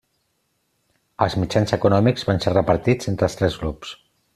Els mitjans econòmics van ser repartits entre els tres grups.